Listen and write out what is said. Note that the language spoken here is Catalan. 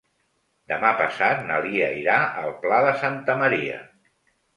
Demà passat na Lia irà al Pla de Santa Maria.